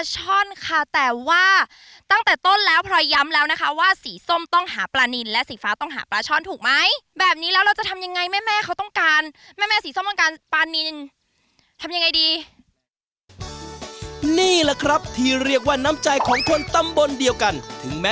ไหนไหนไหนโชว์หน่อยชฟ้าได้ปลานิ่นสี่ส้ม